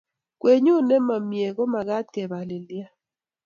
gwenyut nemomee ki komakat kepalilian.